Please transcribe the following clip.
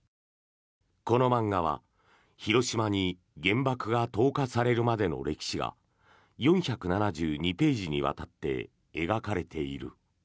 この漫画は広島に原爆が投下されるまでの歴史が４７２ページにわたって描かれている。